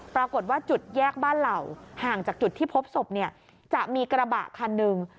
ปรากฏว่าจุดแยกบ้านเหล่าห่างจากจุดที่พบศพเนี่ยจะมีกระบะคันหนึ่ง